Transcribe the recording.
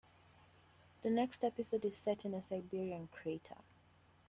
The next episode is set in a Siberian crater.